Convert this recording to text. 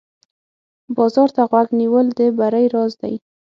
بازار ته غوږ نیول د بری راز دی.